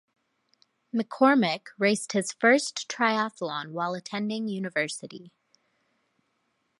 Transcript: McCormack raced his first triathlon while attending university.